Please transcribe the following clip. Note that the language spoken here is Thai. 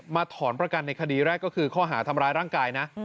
ถอนประกันในคดีแรกก็คือข้อหาทำร้ายร่างกายนะ